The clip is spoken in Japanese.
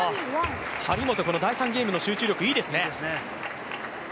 張本、この第３ゲームの集中力、いいですね。